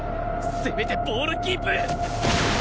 せめてボールキープ！